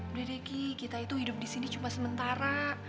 udah deh ki kita itu hidup disini cuma sementara